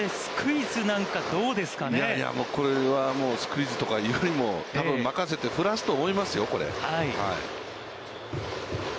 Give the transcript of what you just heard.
いやいやこれは、スクイズとかいうよりも多分、任せて振らすと思いますよ、これ。